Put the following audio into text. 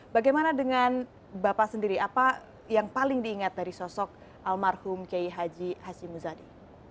bagaimana dengan bapak sendiri apa yang paling diingat dari sosok almarhum kiai haji hashim muzadi